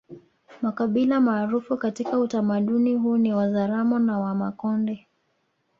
Makabila maarufu katika utamaduni huu ni Wazaramo na Wamakonde